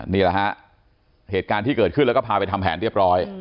นี่แหละฮะเหตุการณ์ที่เกิดขึ้นแล้วก็พาไปทำแผนเรียบร้อย